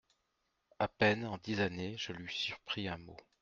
À peine en dix années je lui surpris un mot.